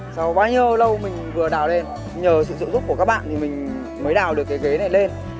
sau bao nhiêu lâu mình vừa đào lên nhờ sự trợ giúp của các bạn thì mình mới đào được cái ghế này lên